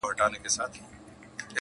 • راوړي دي و یار ته یار لېمه شراب شراب..